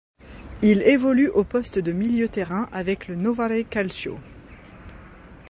Il évolue au poste de milieu terrain avec le Novare Calcio.